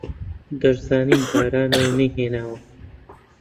دەشزانین باراناو نەیهێناوە